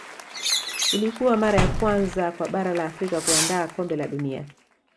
ilikuwa mara ya kwanza kwa bara la afrika kuandaa kombe la dunia